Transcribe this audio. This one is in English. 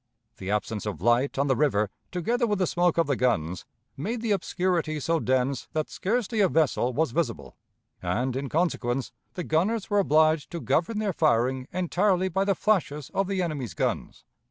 The absence of light on the river, together with the smoke of the guns, made the obscurity so dense that scarcely a vessel was visible, and, in consequence, the gunners were obliged to govern their firing entirely by the flashes of the enemy's guns.